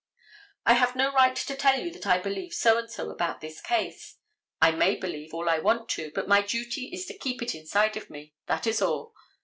I have no right to tell you that I believe so and so about this case. I may believe all I want to, but my duty is to keep it inside of me, that is all.